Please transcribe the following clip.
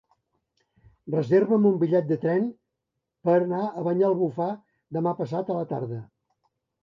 Reserva'm un bitllet de tren per anar a Banyalbufar demà passat a la tarda.